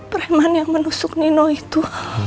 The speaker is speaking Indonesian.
preman yang menusuk nino itu